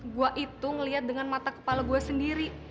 gue itu ngeliat dengan mata kepala gue sendiri